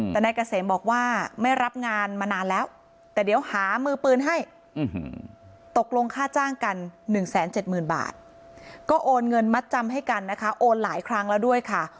แต่กำลังแบบว่าไม่รับงานมานานแล้วแต่เดี๋ยวหามือพื้นให้ตกลงค่าจ้างกันหนึ่งแสนเจ็ดหมื่นบาท